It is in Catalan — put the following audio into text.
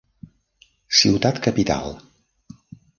Ciutat capital.